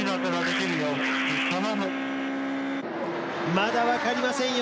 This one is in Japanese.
まだわかりませんよ。